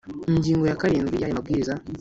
ingingo ya karindwi y’aya mabwiriza,